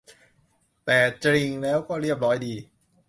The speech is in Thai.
แต่จริงแล้วก็เรียบร้อยดี